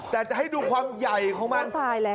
แต่จะให้ดูความใหญ่ของมัน